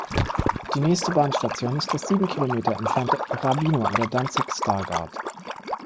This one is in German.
Die nächste Bahnstation ist das sieben Kilometer entfernte Rąbino an der Danzig-Stargard.